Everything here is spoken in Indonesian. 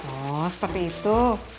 oh seperti itu